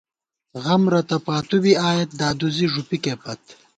غم رتہ پاتُو بی آئیېت، دادُوزی ݫُپِکے پت